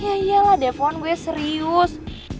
ya iyalah deh fon gue serius